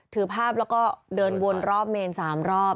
ถือภาพแล้วก็เดินวนรอบเมน๓รอบ